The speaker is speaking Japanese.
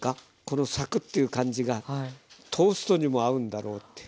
このサクッという感じがトーストにも合うんだろうって。